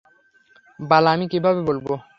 বাল আমি কীভাবে বলবো?